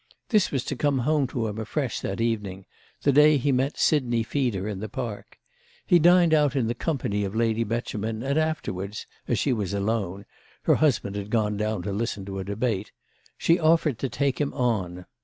This was to come home to him afresh that evening—the day he met Sidney Feeder in the Park. He dined out in the company of Lady Beauchemin, and afterwards, as she was alone—her husband had gone down to listen to a debate—she offered to "take him on."